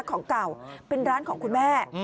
ของเก่าเป็นร้านของคุณแม่